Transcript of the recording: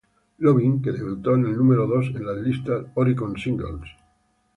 Loving", que debutó en el número dos en las listas Oricon singles.